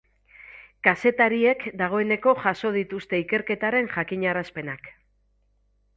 Kazetariek dagoeneko jaso dituzte ikerketaren jakinarazpenak.